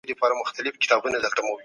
په بازارونو کي باید غلا نه وي.